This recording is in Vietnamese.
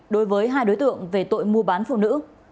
đối với hai đối tượng về tội mua bán phụ nữ